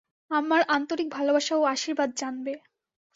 আমার আন্তরিক ভালবাসা ও আশীর্বাদ জানবে।